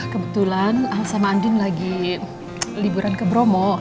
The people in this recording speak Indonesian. kebetulan sama andin lagi liburan ke bromo